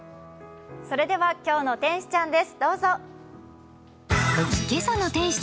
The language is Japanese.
それでは「今日の天使ちゃん」です。